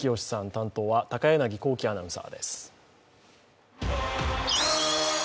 担当は高柳光希アナウンサーです。